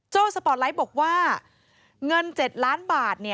สปอร์ตไลท์บอกว่าเงิน๗ล้านบาท